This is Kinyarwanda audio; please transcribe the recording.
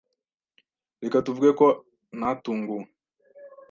Reka tuvuge ko ntatunguwe.